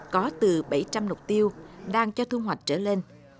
có từ bảy trăm linh lục tiêu đang cho thu hoạch trở lên